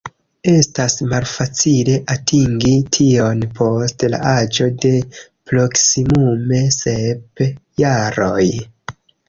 Estas malfacile atingi tion post la aĝo de proksimume sep jaroj.